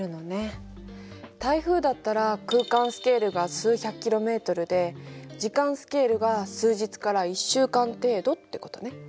台風だったら空間スケールが数百ｋｍで時間スケールが数日から１週間程度ってことね。